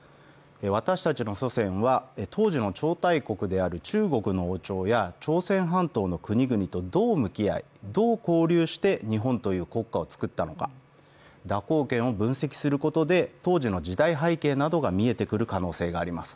私たちの祖先は、当時の超大国である中国の王朝や朝鮮半島の国々とどう向き合い、どう交流して日本という国家をつくったのか、蛇行剣を分析することで当時の時代背景などが見えてくる可能性があります。